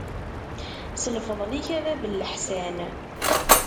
S lfeḍl-ik a bab n leḥsan.